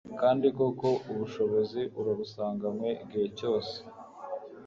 kandi koko, ubushobozi urabusanganywe igihe cyose